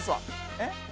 えっ？